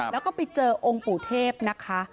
แล้วก็ไปเจอองค์ปู่เทพนะคะ